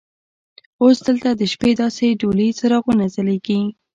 اوس دلته د شپې داسې ډولي څراغونه ځلیږي.